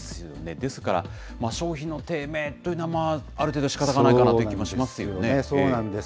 ですから、消費の低迷というのは、ある程度しかたがないかなというそうなんです。